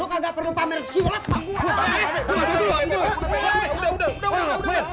lu kagak perlu pamer siulet sama gua